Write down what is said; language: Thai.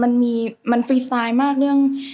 มันมีมันฟรีไซด์มากเรื่อง